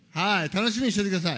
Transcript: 楽しみにしててください。